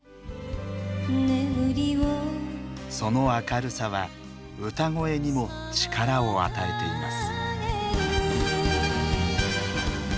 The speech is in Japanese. その明るさは歌声にも力を与えています。